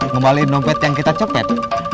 ngembali dompet yang kita copet